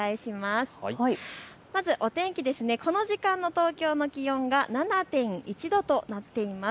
まずお天気、この時間の東京の気温が７．１度となっています。